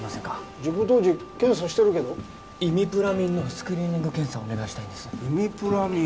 事故当時検査してるけどイミプラミンのスクリーニング検査お願いしたいんですイミプラミン？